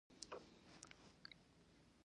افغانستان کې کلتور د چاپېریال د تغیر نښه ده.